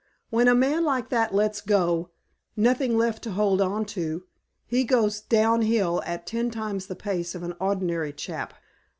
When a man like that lets go nothing left to hold on to he goes down hill at ten times the pace of an ordinary chap.